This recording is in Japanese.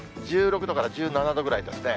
１６度から１７度ぐらいですね。